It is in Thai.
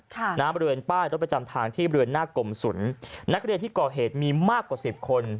น้ำบริเวณป้ายรถประจำทางที่บริเวณหน้ากลมศุลนักเรียนที่ก่อเหตุมีมากกว่าสิบคน